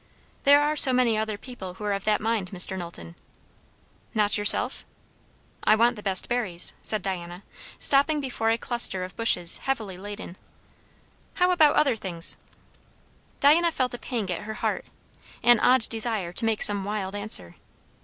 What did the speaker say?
"There are so many other people who are of that mind, Mr. Knowlton!" "Not yourself?" "I want the best berries," said Diana, stopping before a cluster of bushes heavily laden. "How about other things?" Diana felt a pang at her heart, an odd desire to make some wild answer.